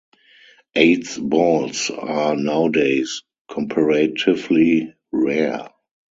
Eights balls are nowadays comparatively rare.